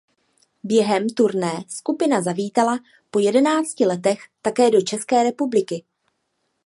Během turné skupina zavítala po jedenácti letech také do České republiky.